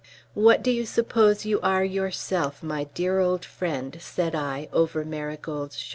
"What do you suppose you are yourself, my dear old friend," said I over Marigold's shoulder.